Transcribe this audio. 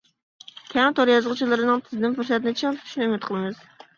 كەڭ تور يازغۇچىلىرىنىڭ تېزدىن پۇرسەتنى چىڭ تۇتۇشىنى ئۈمىد قىلىمىز.